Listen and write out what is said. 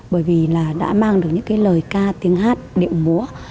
bởi vì là đã mang được những cái lời ca tiếng hát điệu múa